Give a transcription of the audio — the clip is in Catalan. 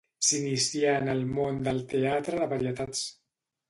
S'inicià en el món del teatre de varietats.